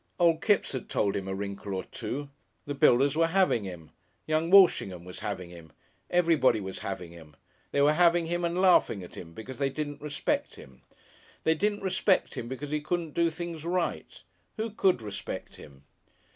Old Kipps had told him a wrinkle or two. The builders were having him, young Walshingham was having him, everybody was having him! They were having him and laughing at him because they didn't respect him. They didn't respect him because he couldn't do things right. Who could respect him?...